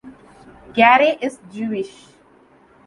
Garay is Jewish.